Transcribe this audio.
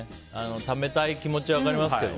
ためたい気持ちは分かりますけど。